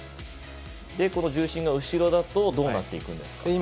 この重心が後ろだとどうなっていくんですか？